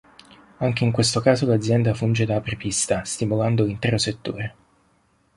Anche in questo caso l’azienda funge da apripista, stimolando l’intero settore.